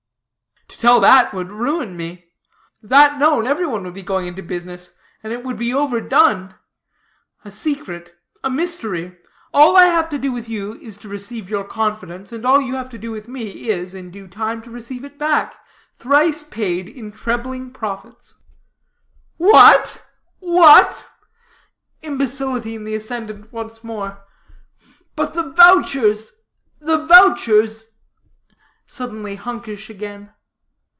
"To tell that would ruin me. That known, every one would be going into the business, and it would be overdone. A secret, a mystery all I have to do with you is to receive your confidence, and all you have to do with me is, in due time, to receive it back, thrice paid in trebling profits." "What, what?" imbecility in the ascendant once more; "but the vouchers, the vouchers," suddenly hunkish again.